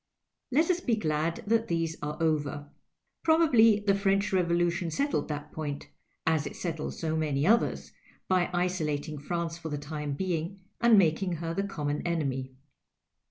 Let us be glad that these arc over. Probably the French Revolu tion settled that point, as it settled so many others, by isolating France for the time being, and making her the common enemy.